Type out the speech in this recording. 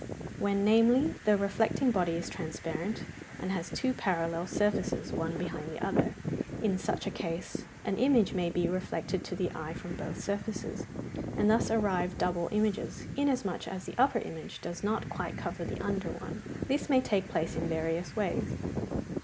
When, namely, the reflecting body is transparent, and has two parallel surfaces, one behind the other: in such a case, an image may be reflected to the eye from both surfaces, and thus arise double images, inasmuch as the upper image does not quite cover the under one: this may take place in various ways.